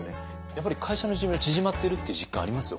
やっぱり会社の寿命縮まってるっていう実感あります？